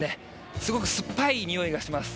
すごくすっぱいにおいがします。